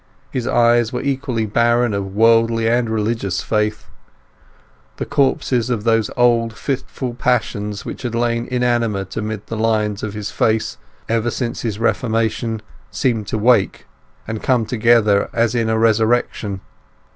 His eyes were equally barren of worldly and religious faith. The corpses of those old fitful passions which had lain inanimate amid the lines of his face ever since his reformation seemed to wake and come together as in a resurrection.